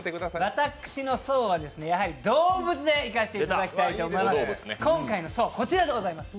私の層は、やはり動物でいかせていただきたいと思います。